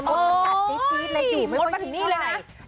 หมดมดมันกัดจี๊ดเลยดูไม่ไหวนี่เลยนะ